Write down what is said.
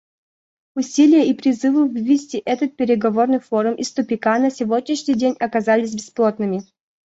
Усилия и призывы вывести этот переговорный форум из тупика на сегодняшний день оказались бесплодными.